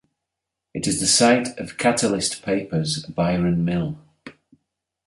It is the site of Catalyst Paper's Biron Mill.